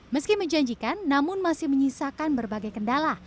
meski menjanjikan namun masih menyisakan berbagai kendala